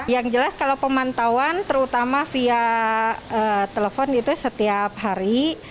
yang jelas kalau pemantauan terutama via telepon itu setiap hari